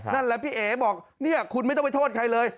นั่นแหละพี่เอ๋บอกเนี่ยคุณไม่ต้องไปโทษใครเลย